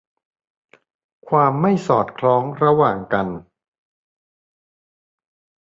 ความไม่สอดคล้องระหว่างกัน